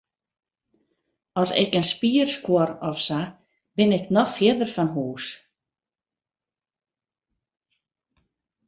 As ik in spier skuor of sa, bin ik noch fierder fan hûs.